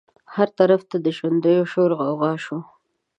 هر طرف ته د ژوندیو شور غوغا شوه.